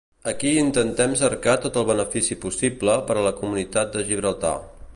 Aquí intentem cercar tot el benefici possible per a la comunitat de Gibraltar.